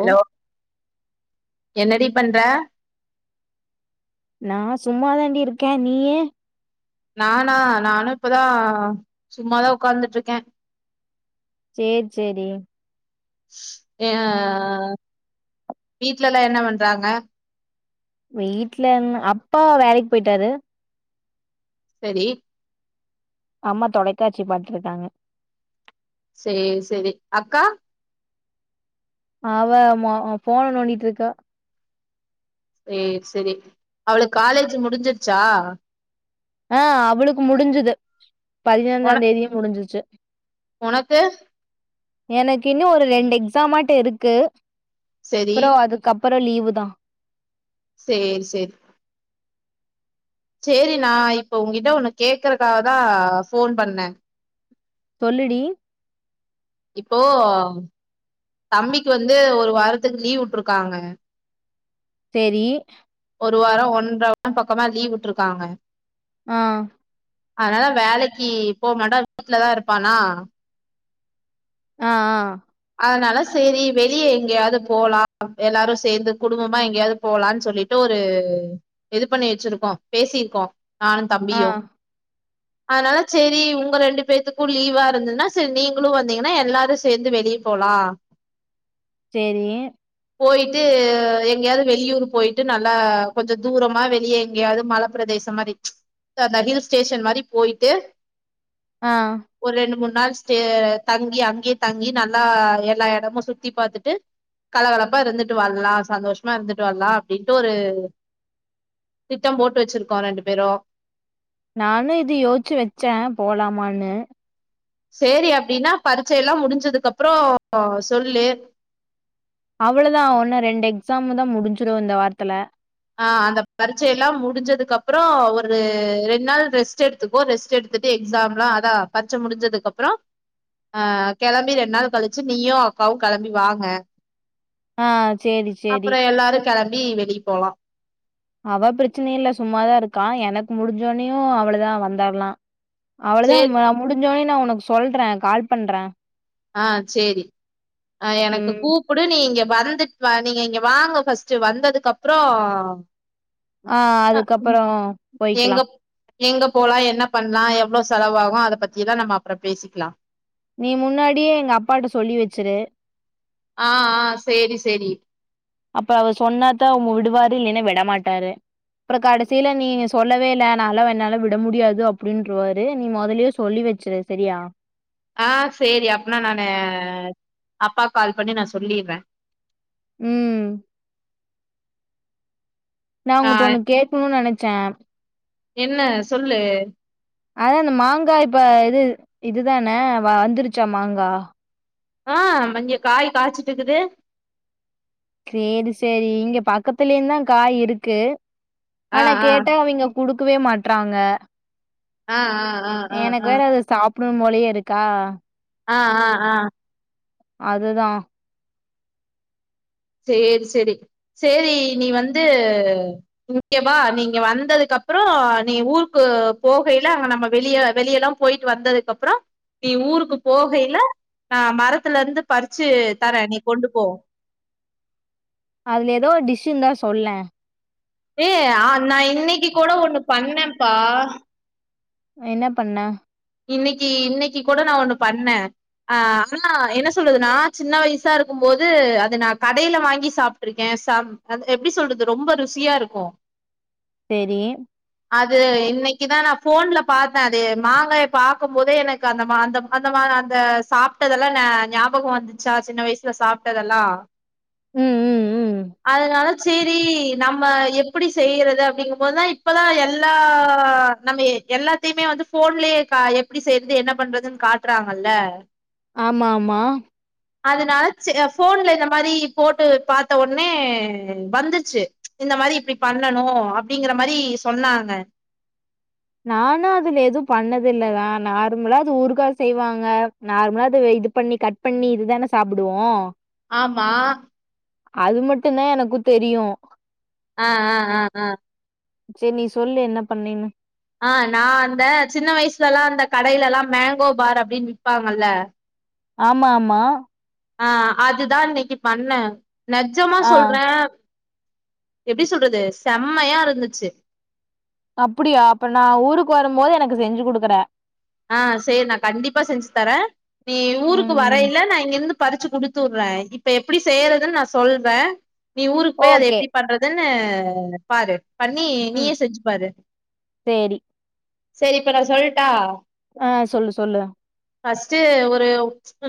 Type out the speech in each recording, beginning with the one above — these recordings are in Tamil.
ஹலோ என்னடி பண்ற நா சும்மா தாண்டி இருக்கே நீயி நானா நானு இப்பதா சும்மாதா உக்காந்துட்ருக்கே சேர் சேரி ஏ வீட்லலா என்ன பண்றாங்க வீட்ல இன்னு அப்பா வேலைக் போய்ட்டாரு செரி அம்மா தொலைக்காட்சி பாத்துட்ருக்காங்க சேரி சேரி அக்கா அவ மொ ஃபோன நோண்டிட்ருக்கா சேர் செரி அவளுக் காலேஜு முடிஞ்சிர்ச்சா ஆ அவளுக்கு முடிஞ்சுது பதினஞ்சா தேதியே முடிஞ்சிர்ச்சு ஒனக்கு எனக்கின்னு ஒரு ரெண்டு எக்ஸாம்மாட்டு இருக்கு சரி அப்புறோ அது க்கப்பறோ லீவுதா சேரி சேரி சேரி நா இப்ப உன்கிட்ட ஒன்னு கேக்குறக்காகதா ஃபோன் பண்ண சொல்லுடி இப்போ தம்பிக்கு வந்து ஒரு வாரத்துக்கு லீவுட்ருக்காங்க சேரி ஒரு வாரோ ஒன்ற [inaudible] பக்கமா லீவுட்ருக்காங்க ஆ அதுனால வேலைக்கி போமாட்டான் வீட்லதா இருப்பானா ஆ ஆ அதனால சேரி வெளிய எங்க்யாது போலா எல்லாரு சேந்து குடும்பமா எங்யாது போலான் சொல்லிட்டு ஒரு இது பண்ணி வச்சிருக்கோ பேசிருக்கோ நானு ஆ தம்பியு அதுனால சேரி உங்க ரெண்டு பேத்துக்கு லீவா இருந்ததுனா செர் நீங்குளு வந்தீங்கனா எல்லாரு சேந்து வெளிய போலா சேரி போய்ட்டு எங்யாது வெளியூர் போய்ட்டு நல்லா கொஞ்சோ தூரமா வெளியே எங்யாது மல பிரதேசமாரி த அந்த ஹில் ஸ்டேஷன் மாரி போய்ட்டு ஆ ஒரு ரெண்டு மூண் நாள் ஸ்டே தங்கி அங்யே தங்கி நல்லா எல்லா எடமு சுத்தி பாத்துட்டு கலகலப்பா இருந்துட்டு வர்லா சந்தோஷ்மா இருந்துட்டு வர்லா அப்டின்ட்டு ஒரு திட்டம் போட்டு வச்சிருக்கோ ரெண்டு பேரு நானு இது யோச்சி வச்ச போலாமானு சேரி அப்டினா பரிட்சை எல்லா முடிஞ்சதுக்கு அப்பறோ சொல்லு அவ்ளோதாவுன்னு ரெண்டு எக்ஸாம்தா முடிஞ்சிடு இந்த வாரத்துல ஆ அந்த பரீட்சையெல்லா முடிஞ்சதுக்கு அப்பறோ ஒரு ரெண் நாள் ரெஸ்ட் எடு துக்கோ ரெஸ்ட் எடுத்துட்டு எக்ஸாம்ல்லா அதா பரிச்ச முடிஞ்சதுக்கு அப்பறோ ஆ கெளம்பி ரெண் நாள் கழிச்சு நீயும் அக்காவு கெளம்பி வாங்க ஆ சேரி சேரி அப்பற எல்லாரு கெளம்பி வெளிய போலா அவ பிரெச்சன இல்ல சும்மாதா இருக்கா எனக்கு முடிஞ்சவுன்னேுயு அவளதா வந்திர்லா அவ்ளதா சேரி நா முடிஞ்சவுன்னே நா உனக்கு சொல்றே கால் பண்றே ஆ சேரி ஆ எனக்கு ம் கூ ப்புடு நீ இங்க வந்துட் வா நீங்க இங்க வாங்க ஃபஸ்ட்டு வந்ததுக்கு அப்பறோ ஆ அதுக்கப்பறோ எங்க போய்க்கலா எங்க போலா என்ன பண்ணலா எவ்ளோ செலவாவு அத பத்தில்லா நம்ம அப்பற பேசிக்கலா நீ முன்னாடியே எங்க அப்பாட்ட சொல்லி வச்சிரு ஆ ஆ சேரி சேரி அப்ப அவ சொன்னாதா அவுங்க விடுவாரு இல்லன்னா வெடமாட்டாரு அப்பறோ கடசில நீங்க சொல்லவே இல்ல அனால என்னால விட முடியாது அப்டின்றவாரு நீ மொதல்லே சொல்லி வச்சிரு செரியா ஆ சேரி அப்னா நானு அப்பாக் கால் பண்ணி நா சொல்லிற்றே ம் நா உங் ஆ கட்ட ஒண்ணு கேட்கணுனு நெனச்சே என்ன சொல்லு அதா இந்த மாங்காய் இப்ப இது இதுதான வ வந்துருச்சா மாங்கா ஆ பங்ய காய் காய்ச்சுட்ருக்குது சேரி சேரி இங்க பக்கத்துலயுதா காய் இருக்கு ஆ ஆனா ஆ கேட்டா அவிங்க குடுக்கவே மாட்றாங்க ஆ ஆ ஆ எனக்கு ஆ வேற அது சாப்டுன் போலயே இருக்கா ஆ ஆ ஆ அதுதா சேரி சேரி சேரி நீ வந்து இங்கெவா நீ இங்க வந்ததுக்கப்பறோ நீ ஊருக்கு போகைல அங்க நம்ம வெளிய வெளியெல்லா போயிட்டு வந்ததுக்கப்பறோ நீ ஊருக்கு போகைல நா மரத்துல இருந்து பறிச்சி தர்ரே நீ கொண்டு போ அதுல எதோ டிஷ்ஷிருந் தா சொல்லே ஏ ஆ நா இன்னக்கி கூட ஒண்ணு பண்ணேப்பா என்ன பண்ண இன்னக்கி இன்னக்கி கூட நா ஒண்ணு பண்ணே ஆ ஆனா என்ன சொல்றது நா சின்ன வைசா இருக்கு போது அது நா கடேல வாங்கி சாப்ட்ருக்கே சாப் அத் எப்டி சொல்றது ரொம்ப ருசியா இருக்கு சேரி அது இன்னக்கிதா நா ஃபோன்ல பாத்தே அது மாங்கா எத் பாக்கு போதே எனக்கு அந்தமா அந்த அந்தமா அந்த சாப்டதெல்லா ஞா ஞாபக வந்திச்சா சின்ன வைசுல சாப் ட்டதெல்லா ம் ம் ம் அதனால சேரி நம்ம எப்டி செய்றது அப்டிங்குபோ தா இப்பதா எல்லா நம்ம எ எல்லா த்தியுமே வந்து ஃபோன்லயே கா எப்டி செய்றது என்ன பண்றதுன் காட்டுறாங்கல்ல ஆம்மா ஆமா அதனால சேர் எ ஃபோன்ல இந்த மாரி போட்டு பாத்த ஒட்னே வந்திச்சி இந்த மாரி இப்டி பண்ணணு அப்டிங்கிற மாரி சொன்னாங்க நானு அதுல எதுவ் பண்ணதில்ல தா நார்முலா அது ஊருகா செய்வாங்க நார்மலாது இது பண்ணி கட் பண்ணி இதுதானே சாப்டுவோ ஆமா அது மட்டுந்தா எனக்கு தெரியு ஆ ஆ ஆ ஆ சேர் நீ சொல்லு என்ன பண்ணீன்னு ஆ நா அந்த சின்ன வைஸ்லல்லா அந்த கடயிலல்லா மேங்கோ பார் அப்டின் விப்பாங்கல்ல ஆமா ஆமா ஆ அதுதா இன்னக்கி பண்ணே நெஜ்ஜமா ஆ சொல்றே எப்டி சொல்றது செம்மயா இருந்துச்சி அப்புடியா அப்ப நா ஊருக்கு வரம்போது எனக்கு செஞ்சி குடுக்கற ஆ சேரி நா கண்டிப்பா செஞ்சி தரே நீ ஊருக்கு ம் வரயில நா இங்கருந்து பறிச்சி குடுத்துர்றே இப்ப எப்டி செய்யறதுன் நா சொல்றே நீ ஊருக்கு போய் அத ஓகே எப்டி பண்ற துன்னு பாரு பண்ணி ம் நீயே செஞ்சி பாரு சேரி சேரி இப்ப நா சொல்ட்டா ஆ சொல்லு சொல்லு ஃபஸ்ட்டு ஒரு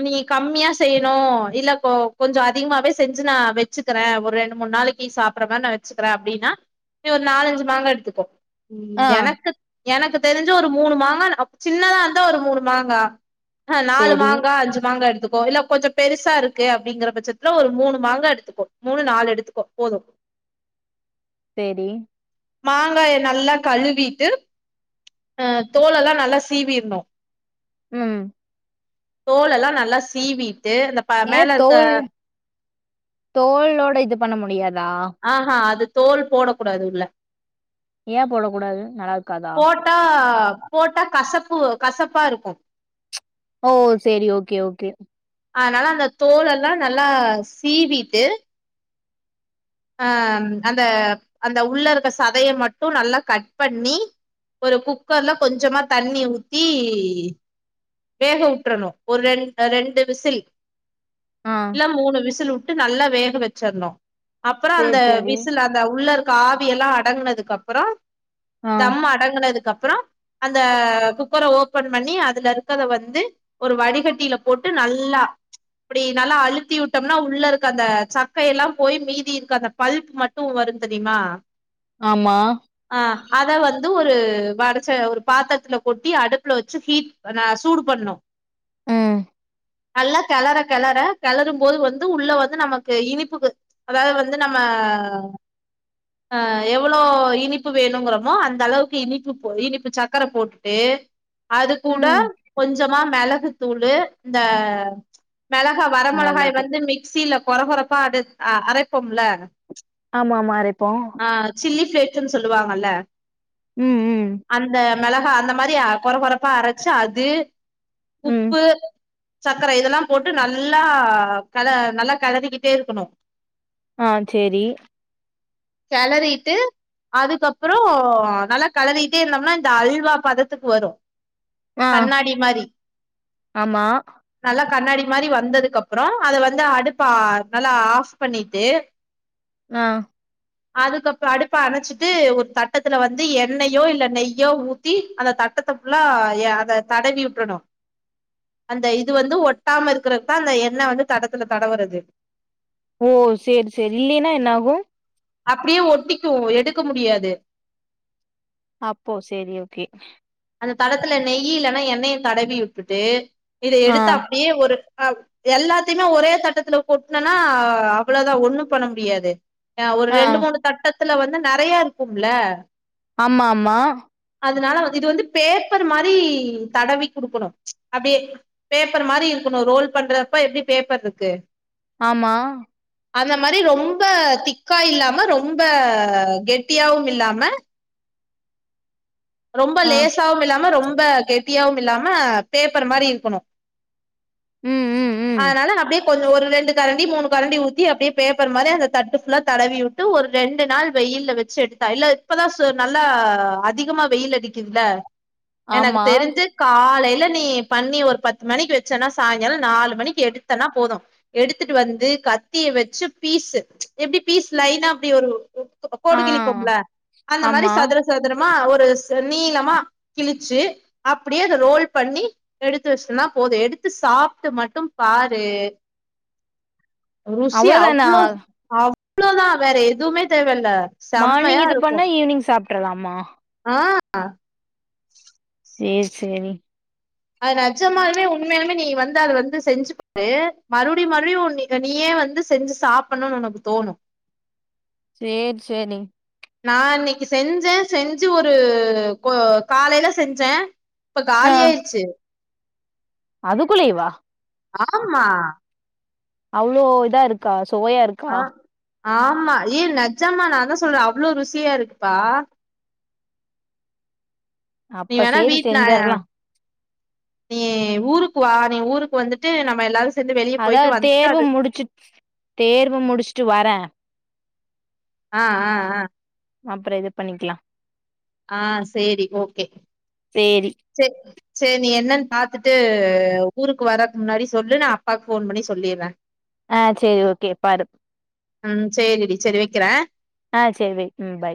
நீங் கம்மியா செய்ணு இல்ல கொ கொஞ்சோ அதிகமாவே செஞ்சி நா வெச்சி க்கிறே ஒரு ரெண்டு மூண் நாளக்கி சாப்புட்ற மார நா வெச்சிக்கிறே அப்டின்னா நீ ஒரு நாலஞ்சி மாங்கா எடுத்துக்கோ ம் ஆ எனக்குத் எனக்குத் தெரிஞ்சி ஒரு மூணு மாங்கா நா சின்னதா இருந்தா ஒரு மூணு மாங்கா அ நாலு சேரி மாங்கா அஞ்சு மாங்கா எடுத்துக்கோ இல்ல கொஞ்சோ பெருசா இருக்கு அப்டிங்குற பச்சத்துல ஒரு மூணு மாங்கா எடுத்துக்கோ மூணு நாலு எடுத்துக்கோ போது சேரி மாங்காய நல்லா கழுவிட்டு ஆ தோலெல்லா நல்லா சீவிர்னு ம் தோலெல்லா நல்லா சீவிட்டு இந்த ப மேல இருக்க தோல்ளோட இது பண்ண முடியாதா ஆ ஆ அது தோல் போட கூடாது உள்ள ஏ போடக் கூடாது நல்லாருக்காதா போட்டா போட்டா கசப்பு கசப்பா இருக்கு ஓ செரி ஓகே ஓகே அதனால அந்த தோலெல்லா நல்லா சீவீட்டு அ அந்த அந்த உள்ள இருக்க சதய மட்டு நல்லா கட் பண்ணி ஒரு குக்கர்ல கொஞ்சமா தண்ணிய ஊத்தி வேகவுட்றணு ஒரு ரெண் ரெண்டு விசில் ஆ இல்ல மூணு விசில் உட்டு நல்லா வேக வெச்சிற்ணு அப்றோ சேரி அந்த சேரி விசில் அந்த உள்ள இருக்க ஆவி எல்லா அடங்குனதுக்கப்றோ ஆ தம்ம அடங்கனதுக்கப்றோ அந்த குக்கர ஓபன் பண்ணி அதுல இருக்கத வந்து ஒரு வடிகட்டில போட்டு நல்லா அப்டி நல்லா அழுத்தி உட்டம்னா உள்ளருக்க அந்த சக்கையெல்லா போயி மீ தி இருக்க அந்த பல்ப் மட்டு வரு தெரிமா ஆம்மா ஆ அத வந்து ஒரு வடச்ச ஒரு பாத்ரத்துல கொட்டி அடுப்புல வச்சி ஹீட் நா சூடு பண்ணு ம் நல்லா கெளற கெளற கெளறும் போது வந்து உள்ள வந்து நமக்கு இனிப்புக்கு அதாவது வந்து நம்ம ஆ எவ்ளோ இனிப்பு வேணுங்றோமோ அந்த அளவுக்கு இனிப்பு போ இனிப்பு சக்கர போட்டுட்டு அது கூட ம் கொஞ்சமா மெளகு தூளு இந்த மெளகா வர மெளகாய் நல்லது வந்து மிக்சில கொற கொறப்பா அடை அரப்போம்ல ச் ஆமா ஆமா அரைப்போ ஆ சில்லி ஃப்ளேக்ஸ்னு சொல்லுவாங்கல்ல ம் ம் அந்த மெளகா அந்த மாரி கொற கொறப்பா அரச்ச அது ம் உப்பு சக்கர இதெல்லா போட்டு நல்லா கல நல்லா கெலறிகிட்டே இருக்கணு ஆ சேரி கெளரிட்டு அதுக்கப்றோ நல்லா கெளறிட்டே இருந்தோம்னா இந்த அல்வா பதத்துக்கு வரு ஆ கண்ணாடி மாரி ஆமா நல்லா கண்ணாடி மாரி வந்ததுக்கப்றோ அது வந்து அடுப்ப நல்லா ஆஃப் பண்ணி ட்டு ஆ அதுக்கப்ப அடுப்ப அணச்சிட்டு ஒரு தட்டத்துல வந்து எண்ணெயோ இல்ல நெய்யோ ஊத் த்தி அந்த தட்டத்த ஃபுல்ல அத தடவி வுட்றனு அந்த இது வந்து ஒட்டாம இருக்றதுக் தா அந்த எண்ண வந்து தடத்துல தடவுறது ஓ செரி செரி இல்லைனா என்னாகு அப்டியே ஒட்டிக்கு எடுக்க முடியாது அப்போ செரி ஓகே அந்த தடத்துல நெய் இல்லனா எண்ணய தடவி வுட்டுட்டு இத ஆ எடுத்து அப்டியே ஒரு அ எல்லாத்தயுமே ஒரே தட்டத்துல கொட்னனா அவ்ளோதா ஒண்ணு பண்ண முடியாது ஒரு ஆ ரெண்டு மூணு தட்டத்துல வந்து நெறைய இருக்கும்ல ஆமா ஆமா அதனால வந்து இது வந்து பேப்பர் மாரி தடவி குடுக்கணு ச் அப்டியே பேப்பர் மாரி இருக்குணு ரோல் பண்றப்ப எப்டி பேப்பர்ருக்கு ஆம்மா அந்த மாரி ரொம்ப திக்கா இல்லாம ரொம்ப கெட்டியாவும் இல்லாம ரொம்ப ஆ லேசாவும் இல்லாம ரொம்ப கெட்டியாவும் இல்லாம பேப்பர் மாரி இருக்கணு ம் ம் ம் அதனால நா அப்டியே கொஞ்சோ ஒரு ரெண்டு கரண்டி மூணுகரண்டி ஊத்தி அப்டியே பேப்பர் மாரி அந்த தட்டு ஃபுல்லா தடவி விட்டு ஒரு ரெண்டு நாள் வெயில வச் இல்ல இப்பதா நல்லா அதிகமா வெயில் அடிக்குதுல எனக்கு ஆமா தெரிஞ்சு காலைல நீ பண்ணி ஒரு பத்து மணிக்கு வச்சன்னா சாய்ங்கால நாலு மணிக்கு எடுத்தனா போது எடுத்துட்டு வந்து கத்திய வச்சு பீஸ்ஸு ச் எப்டி பீஸ் லைனா அப்டி வரு கோடு ஆ கிளிப்போம்ல அந்த மாதிரி ஆமா சதுர சதுரமா ஒரு நீளமா கிழிச்சு அப்டியே அத ரோல் பண்ணி எடுத்து வச்ட்டோனா போது எடுத்து சாப்ட்டு மட்டும் பாரு ருசி அவ்ளோதானா அவ்ளோ அவ்ளோதா வேற எதுவுமே தேவல மார்னிங் இது பண்ணா ஈவினிங் சாப்ட்றாலாமா ஆ சேரி சேரி அது நெஜமாலுமே உண்மௌயாலுமே நீ வந்து அத வந்து செஞ்சு பாரு மறுபடி மறுபடி நீ நீயே வந்து செஞ்சு சாப்ட்ணும்னு உனக்கு தோணும் சரி சரி நா இன்னைக்கு செஞ்சே செஞ்சு ஒரு கோ காலைல செஞ்சே இப்ப காலியாயிறுச்சு அதுக்குள்ளியேவா ஆமா அவ்ளோ இதா இருக்கா சுவையா இருக்கு ஆ ஆமா ஏய் நெஜமா நா தா சொல்றே அவ்ளோ ருசியா இருக்குப்பா நீ அப்ப வேணா சேரி வீட்லா செஞ்சர்லா நீ ஊருக்கு வா நீ ஊருக்கு வந்துட்டு நம்ம எல்லாரும் அதா தேர்வு முடிச்சு தேர்வு முடிச்சுட்டு வரேன் ஆ ஆ ஆ அப்பறம் இது பண்ணிக்கலாம் ஆ சேரி ஓகே சேரி ச சரி நீ என்னன்னு பாத்துட்டு ஊருக்கு வர்றதுக்கு முன்னாடி சொல்லு நா அப்பாக்கு ஃபோன் பண்ணி சொல்லிர்றேன் ஆ சேரி ஓகே பாரு ம் சேரி டி சேரி வைக்கறேன் ஆ சரி வை ம் பை